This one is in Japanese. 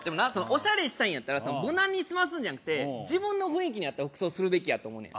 オシャレしたいんやったら無難に済ますんじゃなくて自分の雰囲気に合った服装するべきやと思うねん